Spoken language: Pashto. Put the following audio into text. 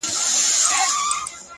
• راسه دعا وكړو،